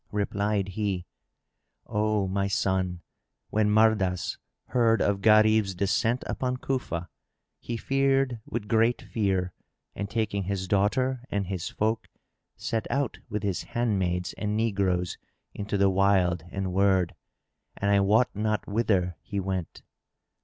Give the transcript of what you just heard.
Replied he, "O my son, when Mardas heard of Gharib's descent upon Cufa he feared with great fear and, taking his daughter and his folk, set out with his handmaids and negroes into the wild and wold, and I wot not whither he went."